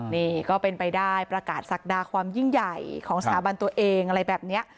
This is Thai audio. นี่ก็เป็นไปได้ประกาศศักดาความยิ่งใหญ่ของสถาบันตัวเองอะไรแบบนี้